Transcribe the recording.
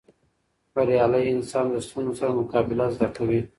بریالی انسان د ستونزو سره مقابله زده کوي.